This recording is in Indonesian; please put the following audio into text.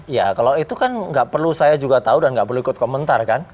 ya kalau itu kan nggak perlu saya juga tahu dan nggak perlu ikut komentar kan